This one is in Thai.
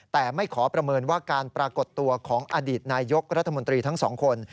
แต่ไม่ขอประเมินว่าการปรากฏตัวของอดีตนายกรัฐมนตรีทั้งสองคน